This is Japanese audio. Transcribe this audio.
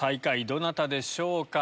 どなたでしょうか。